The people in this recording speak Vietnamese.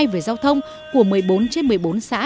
về giao thông của một mươi bốn trên một mươi bốn xã